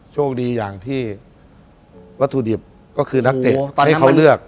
โชคดีอย่างที่วัตถุดิบก็คือนักเตะที่เขาเลือก